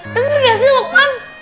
tengker ga sih lokman